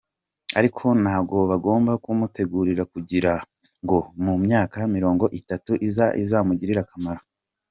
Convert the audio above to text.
Ariko nagombaga kumutegura kugira ngo mu myaka mirongo itatu iza izamugirire akamaro.